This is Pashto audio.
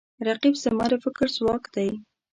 رقیب زما د فکر ځواک دی